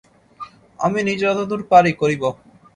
আমি নিজে যতদূর পারি করিব।